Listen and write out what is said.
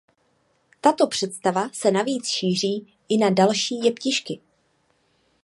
Tato představa se navíc šíří i na další jeptišky.